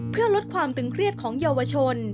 เพื่อลดความตึงเครียดของเยาวชน